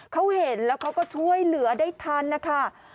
เขาเห็นแล้วเขาก็ช่วยเหลือได้ทันนะคะ